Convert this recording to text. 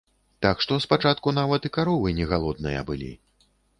Так што спачатку нават і каровы не галодныя былі.